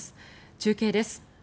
中継です。